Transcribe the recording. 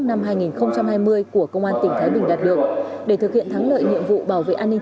năm hai nghìn hai mươi của công an tỉnh thái bình đạt được để thực hiện thắng lợi nhiệm vụ bảo vệ an ninh